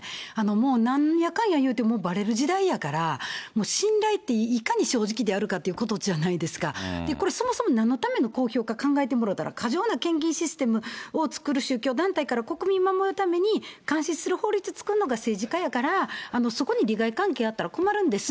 もうなんやかんや言うてももうばれる時代やから、信頼って、いかに正直であるかってことじゃないですか、これ、そもそもなんのための公表か考えてもろうたら、過剰な献金システムを作る宗教団体から国民を守るために監視する法律作るのが政治家やから、そこに利害関係あったら困るんです。